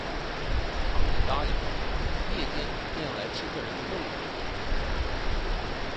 倘一答应，夜间便要来吃这人的肉的